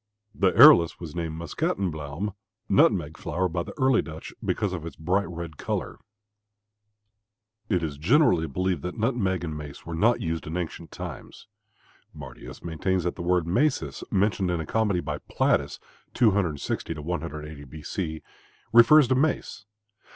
The arillus was named Muscatenbluome (nutmeg flower) by the early Dutch because of its bright red color. It is generally believed that nutmeg and mace were not used in ancient times. Martius maintains that the word macis mentioned in a comedy by Plautus (260 180 B. C.) refers to mace.